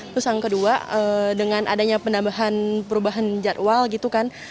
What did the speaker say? terus yang kedua dengan adanya penambahan perubahan jadwal gitu kan